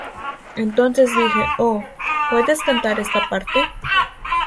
Entonces dije, "Oh, ¿puedes cantar esta parte?